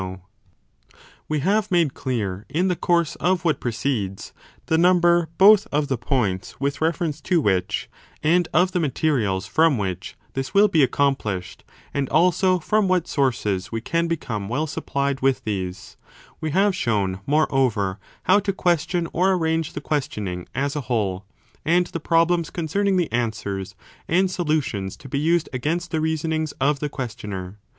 i8 3 b DE SOPHISTICIS ELENCHIS We have made clear, in the course of what precedes, the number both of the points with reference to which, and of the materials from which, this will be accomplished, and 10 also from what sources we can become well supplied with these : we have shown, moreover, how to question or arrange the questioning as a whole, and the problems concerning the answers and solutions to be used against the reasonings of the questioner.